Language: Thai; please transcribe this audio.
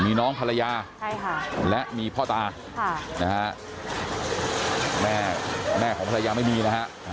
มีน้องภรรยาและมีพ่อตานะฮะแม่แม่ของภรรยาไม่มีนะฮะ